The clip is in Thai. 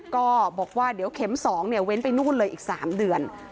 ก็บอกว่าเดี๋ยวเข็ม๒เว้นไปนู่นเลยอีก๓เดือน